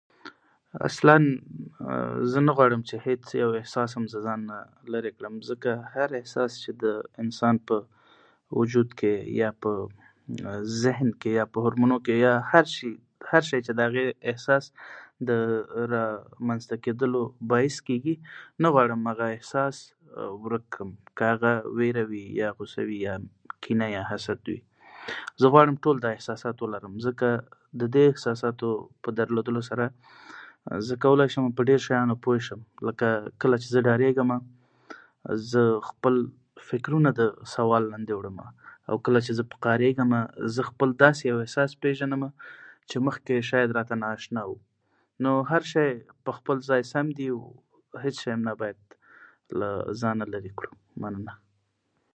اصلاً زه نه غواړم چې هېڅ یو احساس هم له ځانه لرې کړم، ځکه هر یو احساس چې د انسان په وجود او ذهن کې مهم او یا هم هورمونونو کې او یا په هر شی کې چې د احساس رامنځته کېدلو باعث کېږي، هغه احساس ورک کړم؛ که هغه وېره وي، یا غوسه وي، یا کینه یا غوسه وي، زه غواړم دا ټول احساسات ولرم، ځکه د دې احساساتو په درلودلو سره کولای شم چې په ډېرو شیانو پوه شم. کله چې زه وېرېږم، خپل فکرونه د سوال لاندې راوړم او کله چې زه په قهرېږم، زه خپل داسې یو احساس پېژنم چې مخکې شاید راته نااشنا و؛ نو هر شی په خپل ذات کې سم دي او هېڅ شی باید له ځانه لرې نه کړو. مننه.